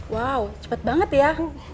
wow cepet banget ya